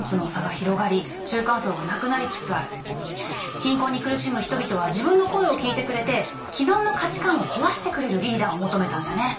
貧困に苦しむ人々は自分の声を聞いてくれて既存の価値観を壊してくれるリーダーを求めたんだね。